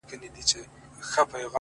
لكه ښه اهنگ.!